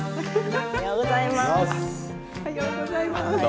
おはようございます。